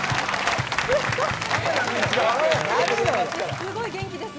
すごい元気ですね。